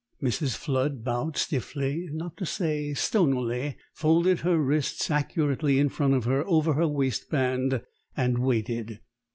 Mrs. Flood bowed stiffly, not to say stonily, folded her wrists accurately in front of her, over her waistband, and waited.